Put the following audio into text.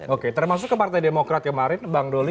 oke termasuk ke partai demokrat kemarin bang doli